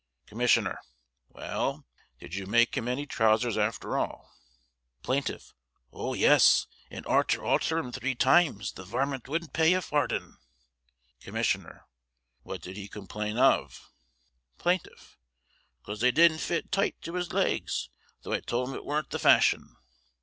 Commissioner: Well, did you make him any trousers after all? Plaintiff: Oh! yes; and arter altering 'em three times the warmint would'nt pay a farden. Commissioner: What did he complain of? Plaintiff: 'Cause they didn't fit tight to his legs, though I told him it warn't the fashion.